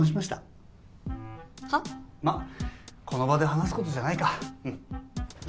まこの場で話すことじゃないか。